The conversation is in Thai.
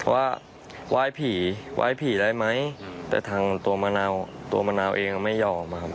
ว่าไหว้ผีไหว้ผีได้ไหมแต่ทางตัวมะนาวตัวมะนาวเองไม่ยอมครับ